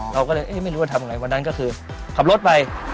เราก็เลยไม่รู้ว่าทำไงวันนั้นก็คือขับรถไป